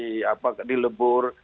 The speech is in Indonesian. mana kementerian yang harus dilebur